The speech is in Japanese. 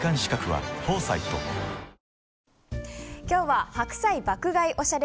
今日は白菜爆買いお